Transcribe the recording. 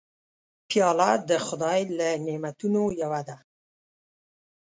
پیاله د خدای له نعمتونو یوه ده.